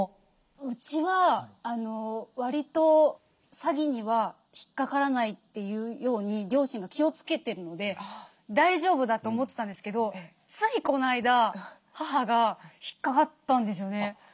うちはわりと詐欺には引っかからないというように両親が気をつけてるので大丈夫だと思ってたんですけどついこの間母が引っかかったんですよね。